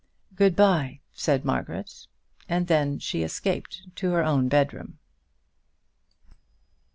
"Good bye," said Margaret, and then she escaped to her own bedroom.